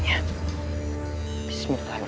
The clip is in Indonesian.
kau adalah langit